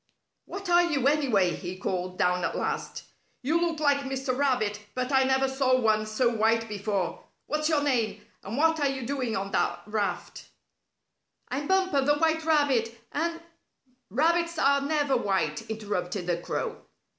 "What are you, anyway?" he called down at last. "You look like Mr. Rabbit, but I never saw one so white before. What's your name? And what are you doing on that raft?" "I'm Bumper, the White Rabbit, and " "Rabbits are never white," interrupted the crow.